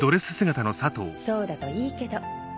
そうだといいけど